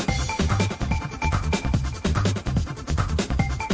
เขาจะกระจอบหรือว่ายังไง